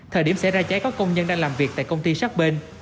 thời điểm xảy ra cháy có công nhân đang làm việc tại công ty sát bên